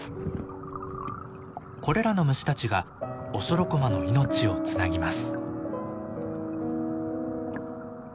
これらの虫たちがオショロコマの命をつなぎます。